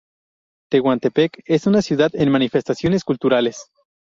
Tehuantepec es una ciudad en manifestaciones culturales.